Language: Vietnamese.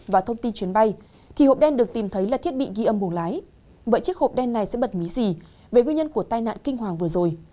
vậy chiếc hộp đen này sẽ bật mý gì về nguyên nhân của tai nạn kinh hoàng vừa rồi